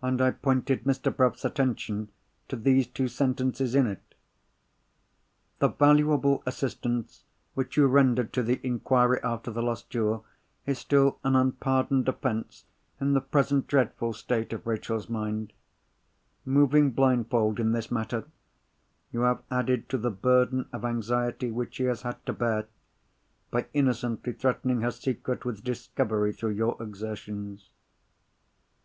And I pointed Mr. Bruff's attention to these two sentences in it: "The valuable assistance which you rendered to the inquiry after the lost jewel is still an unpardoned offence, in the present dreadful state of Rachel's mind. Moving blindfold in this matter, you have added to the burden of anxiety which she has had to bear, by innocently threatening her secret with discovery through your exertions."